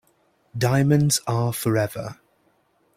Diamonds are forever.